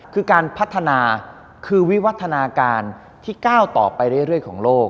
คือการพัฒนาคือวิวัฒนาการที่ก้าวต่อไปเรื่อยของโลก